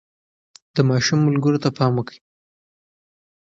د ماشوم ملګرو ته پام وکړئ.